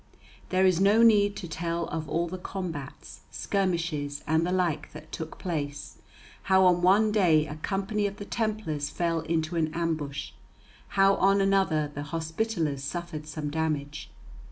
There is no need to tell of all the combats, skirmishes, and the like that took place, how on one day a company of the Templars fell into an ambush, how on another the Hospitallers suffered some damage.